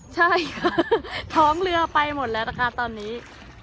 ใช่ค่ะท้องเรือไปหมดแลตอนนี้